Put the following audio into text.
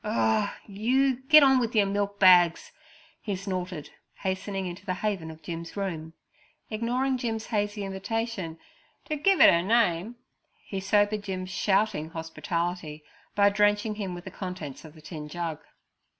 'Urh you! Get on with yer milk bags' he snorted, hastening into the haven of Jim's room. Ignoring Jim's hazy invitation 't' give it er name' he sobered Jim's 'shouting' hospitality by drenching him with the contents of the tin jug.